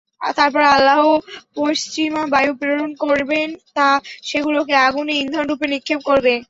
তারপর আল্লাহ পশ্চিমা বায়ু প্রেরণ করবেন, তা সেগুলোকে আগুনে ইন্ধনরূপে নিক্ষেপ করবে।